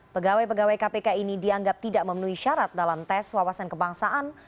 pegawai pegawai kpk ini dianggap tidak memenuhi syarat dalam tes wawasan kebangsaan